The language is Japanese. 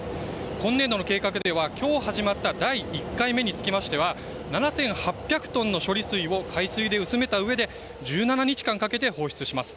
今年度の計画では今日始まった第１回目につきましては７８００トンの処理水を海水で薄めたうえで１７日間かけて放出します。